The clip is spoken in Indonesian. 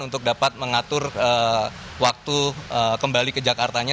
untuk dapat mengatur waktu kembali ke jakartanya